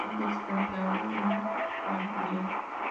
Anders frente a un Guardián.